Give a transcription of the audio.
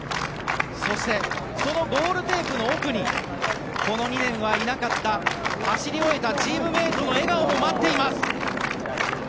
そして、そのゴールテープの奥にこの２年はいなかった走り終えたチームメートの笑顔も待っています。